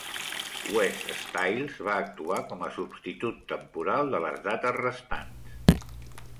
Wes Styles va actuar com a substitut temporal de les dates restants.